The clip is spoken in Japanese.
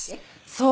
そう。